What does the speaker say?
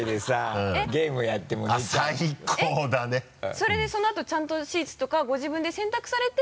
それでそのあとちゃんとシーツとかご自分で洗濯されて？